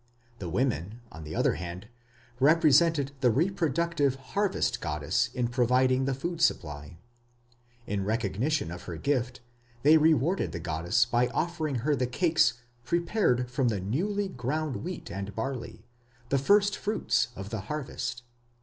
The women, on the other hand, represented the reproductive harvest goddess in providing the food supply. In recognition of her gift, they rewarded the goddess by offering her the cakes prepared from the newly ground wheat and barley the "first fruits of the harvest".